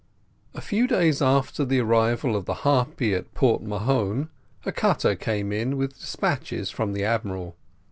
A few days after the arrival of the Harpy at Port Mahon, a Cutter came in with despatches from the admiral.